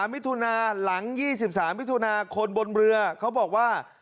มิถุนาหลัง๒๓มิถุนาคนบนเรือเขาบอกว่า